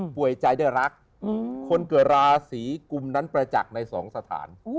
ใจได้รักคนเกิดราศีกุมนั้นประจักษ์ในสองสถาน